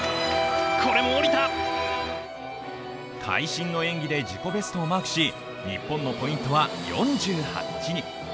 会心の演技で自己ベストをマークし日本のポイントは４８に。